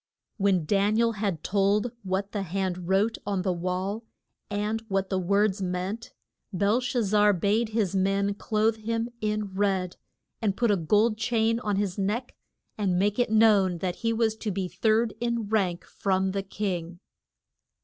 When Dan i el had told what the hand wrote on the wall, and what the words meant, Bel shaz zar bade his men clothe him in red, and put a gold chain on his neck, and make it known that he was to be third in rank from the king.